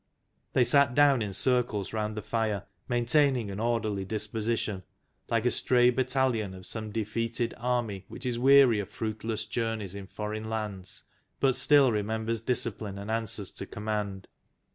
They sat down in circles round the fire, maintaining an orderly dis position, like a stray battalion of some defeated army which is weary of fruitless journeys in foreign lands, but still remembers discipline and answers to com mand.